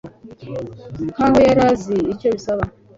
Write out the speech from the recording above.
nkaho yari azi icyo bisaba